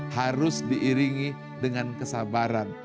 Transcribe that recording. harus diiringi dengan kesabaran